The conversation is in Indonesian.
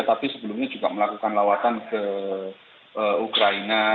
tapi sebelumnya juga melakukan lawatan ke ukraina